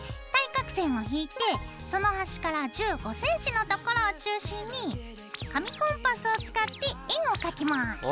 対角線を引いてその端から１５ｃｍのところを中心に紙コンパスを使って円を描きます。